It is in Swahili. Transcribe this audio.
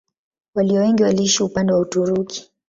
Walio wengi waliishi upande wa Uturuki.